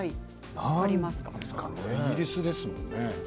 イギリスですもんね。